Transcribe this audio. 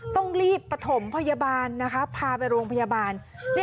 ต้องรีบประถมพยาบาลนะคะพาไปโรงพยาบาล